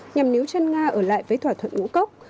nhằm níu chân nga ở lại với thỏa thuận ngũ cốc